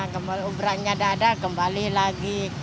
kembali uberannya ada ada kembali lagi